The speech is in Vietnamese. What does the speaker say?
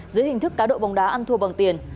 dưới hình thức cá độ bóng đá ăn thua bằng tiền